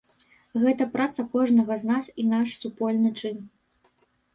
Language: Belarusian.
Гэта праца кожнага з нас і наш супольны чын.